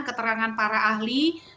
keterangan para ahli